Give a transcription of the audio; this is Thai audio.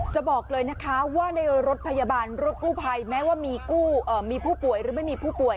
จะบอกเลยนะคะว่าในรถพยาบาลรถกู้ภัยแม้ว่ามีผู้ป่วยหรือไม่มีผู้ป่วย